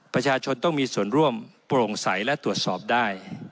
ประชาชนต้องมีส่วนร่วมโปร่งใสและตรวจสอบได้